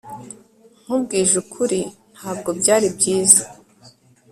Nkubwije ukuri ntabwo byari byiza